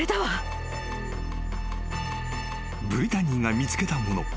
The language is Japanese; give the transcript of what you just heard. ［ブリタニーが見つけたもの］